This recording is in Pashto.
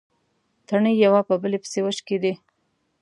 تڼۍ يوه په بلې پسې وشکېدې.